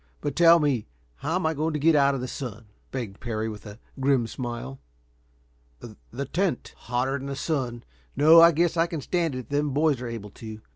But tell me how I am going to get out of the sun?" begged Parry, with a grim smile. "The tent " "Hotter than the sun. No, I guess I can stand it if those boys are able to.